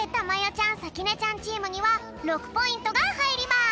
ちゃんさきねちゃんチームには６ポイントがはいります。